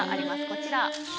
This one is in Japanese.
こちら。